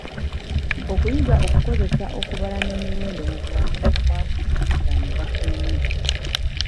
Okuyiga okukozesa okubala n’emiwendo mu bulamu obwa bulijjo kya mugaso nnyo.